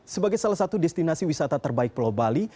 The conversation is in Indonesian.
sebagai salah satu destinasi wisata terbaik pulau bali